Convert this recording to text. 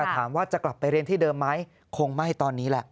ถามว่าจะกลับไปเรียนที่เดิมไหมคงไม่ตอนนี้แหละ